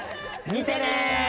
見てね！